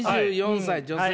２４歳女性。